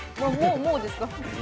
もうですか？